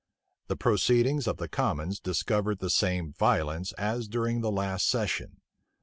The proceedings of the commons discovered the same violence as during the last session.